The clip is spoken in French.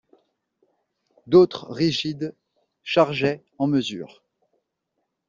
D'autres, rigides, chargeaient en mesure.